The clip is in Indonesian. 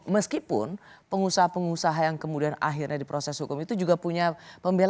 meskipun pengusaha pengusaha yang kemudian akhirnya diproses hukum itu juga punya pembelaan